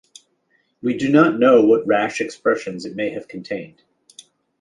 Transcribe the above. We do not know what rash expressions it may have contained.